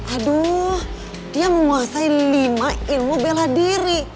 aduh dia menguasai lima ilmu bela diri